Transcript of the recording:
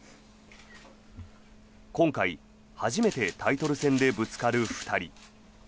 今回、初めてタイトル戦でぶつかる２人。